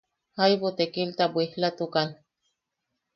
Jaibu tekilta bwislatukan.